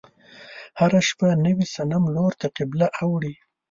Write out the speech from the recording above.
هره شپه نوي صنم لور ته قبله اوړي.